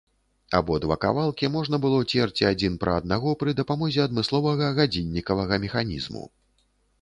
Абодва кавалкі можна было церці адзін пра аднаго пры дапамозе адмысловага гадзіннікавага механізму.